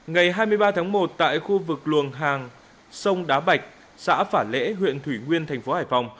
ngày hai mươi ba tháng một tại khu vực luồng hàng sông đá bạch xã phả lễ huyện thủy nguyên thành phố hải phòng